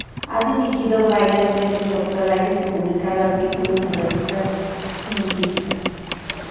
Ha dirigido varias tesis doctorales y publicado artículos en revistas científicas.